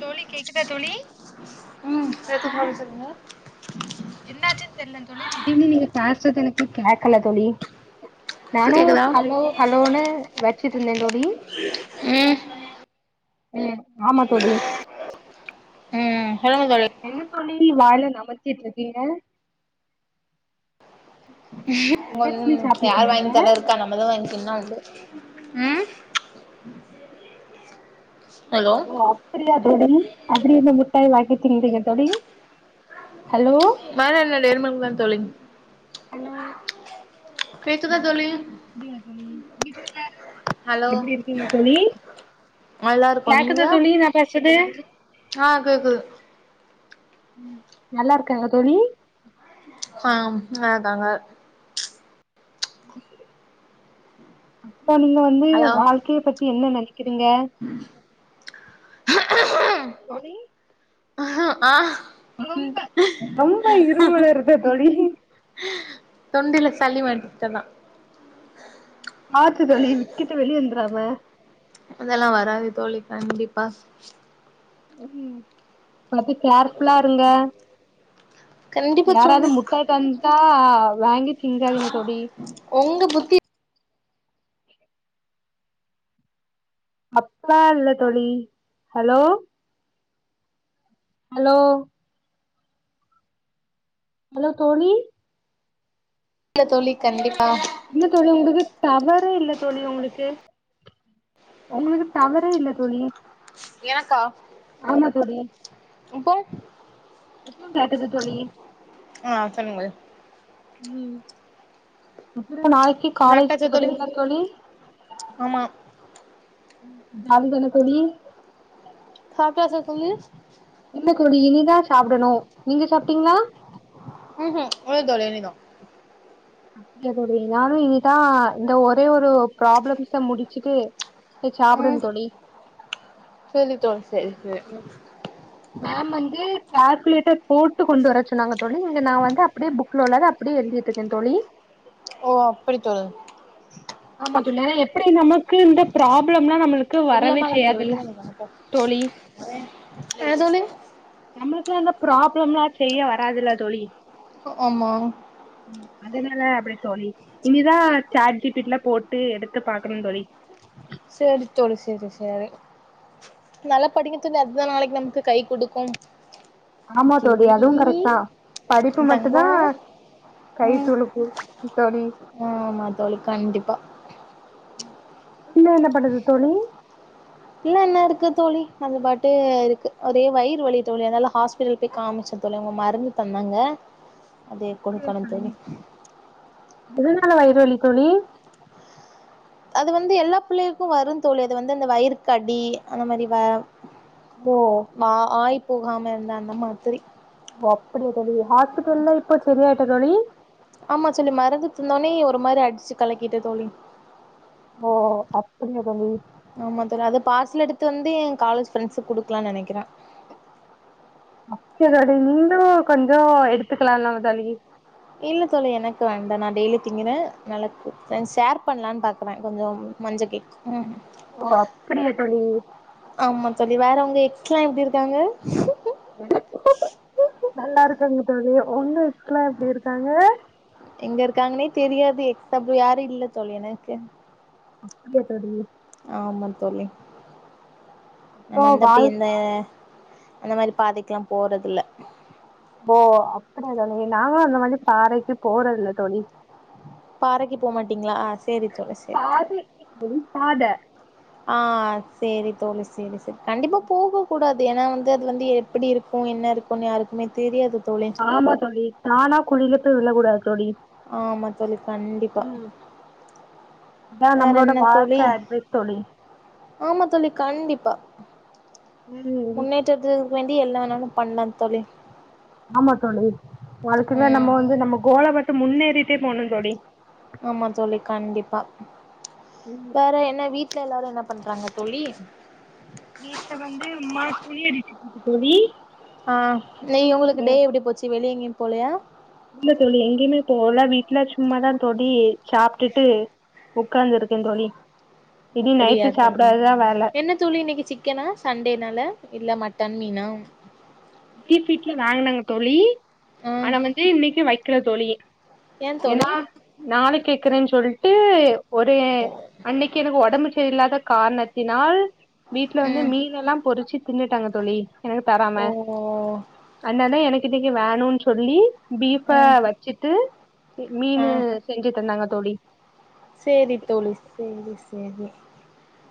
தோழி கேக்குதா தோழி ஹலோ என்னாச்சுன் தெர்லங் தோழி திடீனு நீங்க பேசது எனக்கு கேக்கல தோழி இப்ப நானு கேக்குதா ஹலோ ஹலோன்னு வச்சிட்ருந்தே தோழி ம் ம் ஆமா தோழி ம் சொல்லுங்க தோழி வாய்ல நமச்சிட்ருக்கீங்க ம் யார் இருக்கீங்க வாங்கிதர இருக்கா நம்மதா வாங்கி தின்னா உண்டு ம் ஹலோ ஓ அப்படியா தோழி அப்படிய என்ன [unintelligible] [unintelligible] [unintelligible] தோழி ஹலோ மேல என்ன டேரி மில்க் தா தோழி ஹலோ கேக் ஹலோ எப்படி இருக்கீங்க தோழி நல்லா இருக்கோ நீங்க கேக்குதா தோழி நா பேசது ஆ கேக்குது ம் நல்லா இருக்காங்க தோழி ஆ [unintelligible] அ இப்ப நீங்க வந்து ஹலோ வாழ்க்கைய பத்தி என்ன நினை க்கிறீங்க தோழி ஆ ஆ ரொம்ப ரொம்ப இரும்பல் வருதா தோழி தொண்டைல சளி [unintelligible] பாத்து தோழி விகிட்டு வெளிய வந்துறாம அதெல்லா வராது தோழி கண்டிப்பா ம் பாத்து கேர்ஃபுல்லா இருங்க கண்டிப்பா யாராவது தோழி முட்டாய் தந்துட்டா ஆ வாங்கி திங்காதீங்க தோழி உங்க புத்தி அப்பா இல்ல தோழி ஹலோ ஹலோ ஹலோ தோழி இல்ல தோழி கண்டிப்பா இல்ல தோழி உங்களுக்கு டவரே இல்ல தோழி உங்களுக்கு உங்களுக்கு டவரே இல்ல தோழி எனக்கா ஆமா தோழி இப்போ இப்பவு காட்டுது தோழி ஆ சொல்லுங்கள் ம் ம் இப்ப நாளைக்கு காலேஜ் போறீங்களா தோழி ஆமா ஜாலி தான தோழி [unintelligible] சொல்லு இல்ல தோழி இனிதா சாப்பிடணு நீங்க சாப்பிட்டீங்களா உஹு இல்லதோழி இனிதா அப்ப தோழி நானு இனிதா இந்த ஒரே ஒரு ப்ராப்ளம்ஸ முடிச்சுட்டு சாப்பிடனு தோழி சேரி தோழி சே சே மேம் வந்து கால்குலேட்டர் போட்டு கொண்டு வர சொன்னாங்க தோழி இங்க நா வந்து அப்படியே புக் லோ அப்படியே எழுதிட்டு இருக்கே தோழி ஓ அப்படித்தோழர் ஆமா ஏ எப்படி நமக்கு இந்த ப்ராப்ளம்லாம நம்மளுக் தோழி [unintelligible] நம்மளுக்குலா அந்த ப்ராப்ளம் எலா செய்ய வராதுல்ல தொழி ஒ ஆம அதனால அப்டி தொழி இனிதா சாட்ஜிபீட்ல போட்டு எடுத்து பாக்கணு தோழி சரி தோழி சரி சரி நல்லா படிங்க தோழி அதுதா நாளைக்கு நமக்கு கை குடுக்கு ஆமா தோழி அதுவு கரெக்டா படிப்பு மட்டும் தா தங்கோ கை ம் துழுக்கு தோழி ஆமா தோழி கண்டிப்பா என்ன என்ன பண்றது தோழி அந்த பாட்டு இருக்குது ஒரே வயிறு வழி தோழி அதால ஹாஸ்பிட்டல் போய் காமிச்சந்தோழி அவங்க மருந்து தந்தாங்க அதே அப்படியா கொடுக்கணு தோழி எதனால வைருவலி தோழி அது வந்து எல்லா பிள்ளைகளுக்கு வரு தோழி அது வந்து அந்த வயிற்கடி அந்த மாரி ஓ வா ஆய் போகாம இருந்தா அம்மா திரி ஓ அப்படியா தோழி ஹாஸ் [unintelligible] இப்போ சரிய தோழி ஆமா சொல்லி மருந்து திண்ணோனே ஒரு மாரி அடிச்சு கலக்கிட்டே தோழி ஓ அப்படியா தோழி இத்து வந்து எ காலேஜ் ஃப்ரெண்ஸ்க் குடுக்கலாம்னு நனைக்கிறே சரி அத நீங்களு கொஞ்ச எடுத்துக்கலாந்தா தோழி இல்ல தோழி எனக்கு வேண்டா நா டெய்லி திங்குறே நலர்க்கு ஷேர் பண்ணலான்னு பாக்குறே கொஞ்ச மஞ்ச கேக் உ ஓ அப்படியா தோழி ஆமா தோழி வேற அவங்க எக்ஸ்லா எப்படி இரு க்காங்க நல்லா இருக்கங்க தோழி ஒண்ணு [unintelligible] அப்டி இருக்காங்க எங்க இருக்காங்கன்னே தெரியாது எக்ஸ் அப்டி யாரு இல்ல தோழி எனக்கு அப்படியா தோழி ஆமா தோழி நம்ம ஓ வந்து அப்படி வாழ் எந்த அந்த மாரி பாதைக்கெல்லா போறதுல்ல போ அப்படிய தோழி நாங்கும் அந்த மாதிரி பாறைக்கு போறதில்ல தோழி பாறைக்கு போமாட்டீங்களா அ பாதைக்கு போ பாத ஆ சேரி தோழி சேரி சேரி கண்டிப்பா போக கூடாது ஏன்னா வந்து அது வந்து எப்படி இருக்கு என்ன இருக்கு யாருக்குமே தெரியது ஆமா தோழி தானா குழியில போய் விழ கூடாது தோழி ஆமா தோழி கண்டிப்பா ம் அதா வேற நம்மளோட என்ன தோழி வாழ்க்க அட்வைஸ் தோழி ஆமா தோழி கண்டிப்பா ம் முன்னேற்றத்து வேண்டி எல்லா வேணாலு பண்ணலா தோழி ஆமா தோழி வாழ்க்கையில ம் நம்ம வந்து நம்ம கோல பாத் து முன்னேறிட்டே போணு தோழி ஆமா தோழி கண்டிப்பா வேற என்ன வீட் வீட்ல எல்லாரு என்ன பண்றாங்க தோழி வீட்டுல வந்து அம்மா துணி அரிச்சுட்டு இருக்கு தோழி ஆ ம் போலயா இல்ல தோழி எங்கேயுமே போலா வீட்டுல சும்மாதா தோழி சாப்பிட்டுட்டு உட்கார்ந்துருக்கே தோழி இனி அப்படியா நைட்டு தோழி சாப்டாதா வேல என்ன தோழி இன்னைக்கு சிக்கனா சண்டேனால இல்ல மட் தன்மீனாம் [unintelligible] வாங்கனாங் தோழி ஆ ஆனா வந்து இன்னைக்கு வை இருக்கிறது தோழி ஏ ஏன்னா தோழி நாளைகே இருக்கறேன்னு சொல்ட்டு ஒரு அன்னைக்கு எனக்கு உடம்பு சரி இல்லாத காரணத்தினால் வீட்டுல வந்து ம் மீன் எல்லாம் பொறிச்சி தின்னுட்டாங்க தோழி எனக்கு தராம ஓ அண்ணனே எனக்கு நீங்க வேணும்ன்னு சொல்லி பீஃப்ப ம் வச்சிட்டு ஆ மீன் செஞ்சு தந்தாங்க தோழி சேரி தோழி சேரி சேரி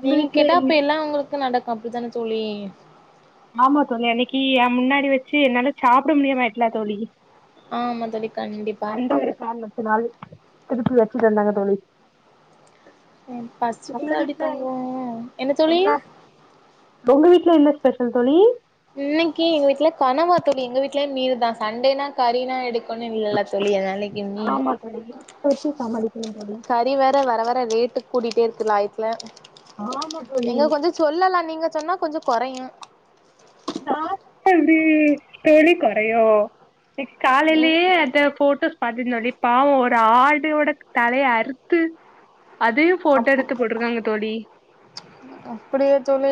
உங்க நீங்க வீட்ல கேட்டா என்ன? அப்ப எல்லாம் உங்களுக்கு நடக்கும் அப்படித்தானே தோழி ஆமா தோழி அன்னைக்கு ஏன் முன்னாடி வச்சு என்னால சாப்பிட முடியுமா ஆயிடுச்சுல தோழி ஆமா தோழி கண்டிப்பா அந்த ஒரு காரணத்தினால் இடுப்புல வச்சிட்டு வந்தாங்க தோழி ஏன் உங்க பசிக்குதாடி வீட்ல தங்கோம் என்ன தோழி உங்க வீட்ல என்ன ஸ்பெஷல் தோழி இன்னிக்கு எங்க வீட்ல கனவா தோழி எங்க வீட்ல மீல்தான் சண்டேனா கறினா எடுக்கனும் இல்லல்ல தோழி அதனால இன்னைக்கு மீனு ஆமா தோழி வெச்சி சமாளி கறி வேற வர வர ரேட்டு கூடிட்டே இருக் கு லாய்க்கில நீங்க கொஞ்சம் சொல்லலாம் நீங்க சொன்னா கொஞ்சம் கொறையும் நா சொன்னா எப்டி தோழி கொறையும் ம் காலைலியே அட்ட போட்டோ பாத்தேன் தோழி பாவம் ஒரு ஆடோட தலைய அறுத்து அதையும் அப் போட்டோ எடுத்து போட்டுருக்காங்க தோழி அப்டியா தோழி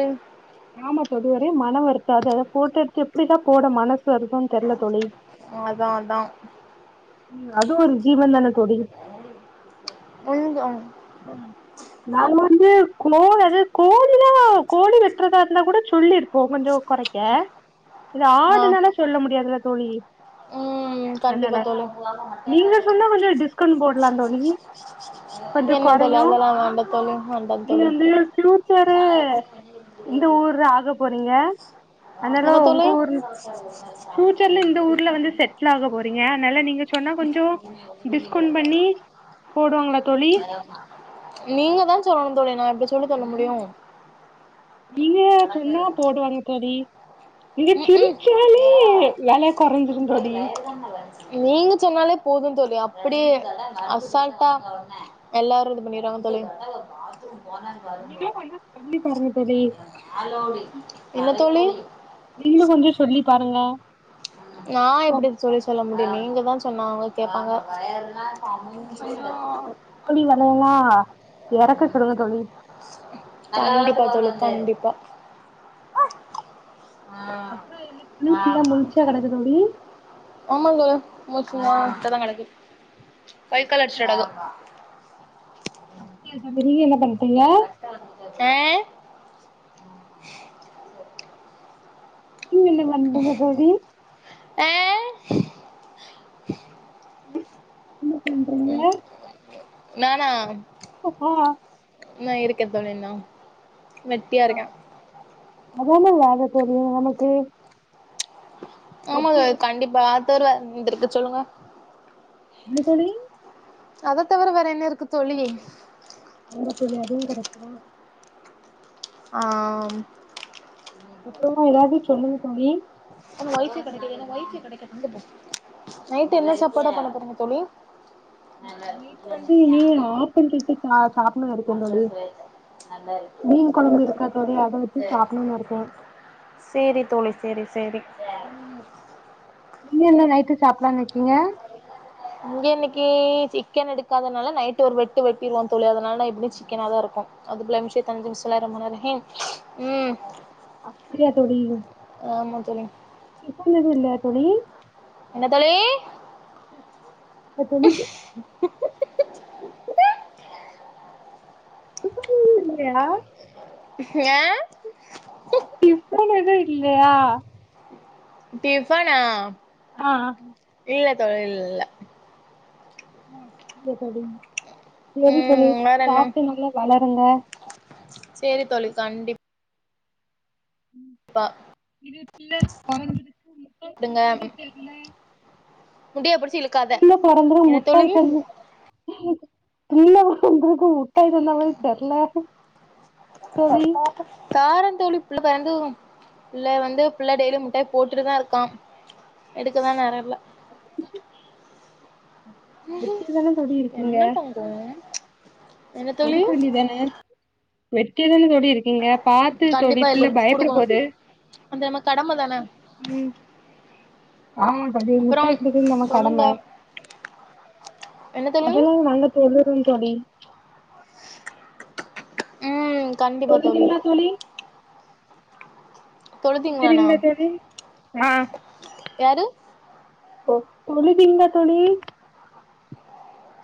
ஆமா தோழி ஒரே மன வருத்தம் அது அத போட்டோ எடுத்து எப்டிதான் போட மன சு வருதுன்னு தெர்ல தோழி அதா அதா ம் அது ஒரு ஜீவன் தானே தோழி ம் ம் நா வந்து கோழ் அது கோழி தான் கோழி வெட் ட்டறதா இருந்தா கூட சொல்லி இரு போ கொஞ்ச குறைக்க இது ஆ ஆடுனால சொல்ல முடியாதுல தோலி ம் அதனால கண்டிப்பா தோழி நீங்க சொன்னா கொஞ்ச டிஸ்கவுண்ட் போடலா தோலி கொஞ்ச என்ன தோழி குறையு அதெல்லா வேண்டா தோழி வேண்டா நீங்க தோழி வந்து ஃப்யூச்சரு இந்த ஊர்தா அது போறீங்க அதனால என்ன உங்க தோழி ஊரு ஃப்யூச்சர்ல இந்த ஊர்ல வந்து செட்லாக போறீங்க அதனால நீங்க சொன்னா கொஞ்சோ டிஸ்கவுண்ட் பண்ணி போடுவாங்களா தோழி [inaudible] நீங்க தா சொல்லணு தோலி நா எப்டி சொல்லு சொல்ல முடியு நீங்க சொன்னா போடுவாங்க தோலி நீங்க ம் ம் சிரிச்சாலே வெல கொறஞ்சிரு தோலி நீங்க சொன்னாலே போது தோலி அப்டியே அசால்ட்டா எல்லாரு இது பண்ணிருவாங்க தோலி நீங்களு கொஞ்சோ சொல்லி பாருங்க தோழி இல்ல தோலி நீங்க கொஞ்ச சொல்லி ஒக்காருங்க நா எப்டி தோழி சொல்ல முடி நீங்கதா சொன்னாலு அவுங்க கேப்பாங்க கொஞ்சோ [unintelligible] எரக்க சொல்லுங்க தோழி கண்டிப்பா தோழி கண்டிப்பா அப்பற என்ன ப [unintelligible] புள்ள முழிச்சா கடக்கு தோழி ஆமாங்க மோசமா தா கடக்குது கைகால் அடிச்சுட் கெடக்கு அப்ப நீஎன்ன ப [unintelligible] புய்ய உ [inaudible] நீங்க என்ன பன்றீங்க தோழி ஆ என்ன பண்றீங்க உ உ உ நானா ஹு ஹா நான் இருக்கேன் தோழி வெட்டியா இருக்கேன் அதானே வாழப் போது உனக்கு ஆமாங்க கண்டிப்பா தருவ வந்திருக்கு சொல்லுங்க என்ன தோழி அத தவிர வேற என்ன இருக்கு தோழி ஆமா தோழிஅதுவும் கெடைக்குமா ஆஹ அப்பறமா எதாவது சொல்லுங்க தோழி நைட்டு என்ன சாப்பாட பண்ண போறீங்க தோழி நேத்து வந்து நீ ஆப்பிள் சுட்டு சாப்டணும்னு இருக்கேன் தோழி மீன் குழம்பு இருக்கா எனக்கு அத வச்சு சாப்டணும்னு இருக்கேன் சேரி தோழி சேரி சேரி நீங்க என்ன நைட்டு சாப்டலான்னு இருக்கீங்க இங்க இன்னக்கி சிக்கன் எடுக்காதனால நைட்டு ஒரு வெட்டு வெட்டிருவோம் தோழி அதனால எப்டி சிக்கனாவது இருக்கும் வருப்போ அது பிள்ளமிஷய தஞ்சு மிசலே உஹம் அப்டியா தோழி தோழி இப்ப எதும் இல்லையா தோழி என்ன தோழி இப்ப தோழி இல்லையா ஏன் இப்பொழுது. இல்லையா. டிஃபனா. ஆ ம்ம் இல்ல தோழி இல்ல ஆஹம் ஓகே தோழி செரி தோழி ம் வேற என்ன சாப்டு நல்லா வளருங்க. சேரி தோழி கண்டிப்பா ப இது பில்லர் குறைந்தது. முன்னாடி இருந்த மாதிரி தெர்ல முடியபுடிச்சுட்டு. புள்ளஅ பொறந்ததும் முத்தம் தரணும் இல்ல வந்திருக்கு முட்ட சேர்ந்த மாரி தெர்ல. தோழி பாப்பு காரந்தோளிப் பிள்ள பிறந்துரு பிள்ள வந்து பிள்ள டெய்லி முட்டாய் போட்டுட்டு தா இருக்கா எடுக்கதா நேரல்ல உஹு வெட்டியா தான என்ன தங்கோ என்ன தோழி எடுக்வேன்டிதான வெட்டியாதான [unintelligible] டி இருக்கீங்க பாத்து தொழி பிள்ள பயப்பட போது அந்த நம்ம கடம தான உ ஆமா தம்பி அப்றோ முட்டாய் குடுக்கிறது நம்ம சொல்லுங்க கடம என்ன தோழி அதெல்லா நல்ல தொல்லுற தோழி உ கண்டிப்பா தோழி தொழுதீங்களா [unintelligible] தொழுதிங்களாண்ணா றீங்களாதோழி ஆ யாரு ஓ தோழுதிங்களா தோலி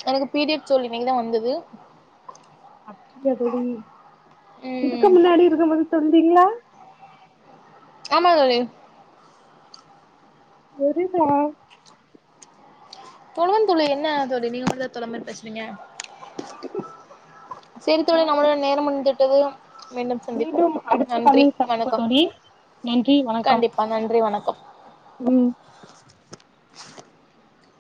எனக்கு பீரியட்ஸ் தோலக இன்னைக்குதா வந்துது அப்படியா தொழி இதுக்கு ம் முன்னாடி இருக்கம்போது தொந்தீங்ளா ஆமா தானே எரிதா துழவன்துளி என்ன அத்தோட நீங்க மட்டுதா துலமர் பேசுறீங்க சரி தோழி நம்மளோட நேரம் முடிந்துட்டு எது மீண்டும் அடுத்த கால்ல சந்திப்போ வணக்கம் தோழி நன்றி வணக்கம் கண்டிப்பா நன்றி வணக்கம் உ சு